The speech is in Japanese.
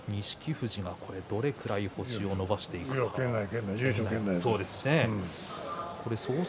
富士はどれくらい星を伸ばしていくかですね。